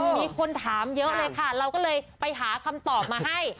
มีคนถามเยอะเลยค่ะเราก็เลยไปหาคำตอบมาให้